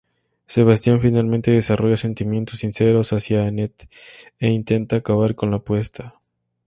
Sebastian finalmente desarrolla sentimientos sinceros hacia Annette e intenta acabar con la apuesta.